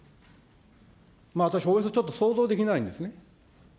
私ちょっと想像できないんですね、